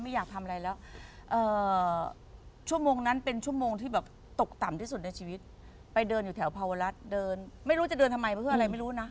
ไม่อยากทำอะไรแล้ว